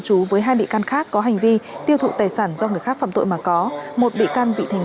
chú với hai bị can khác có hành vi tiêu thụ tài sản do người khác phạm tội mà có một bị can vị thành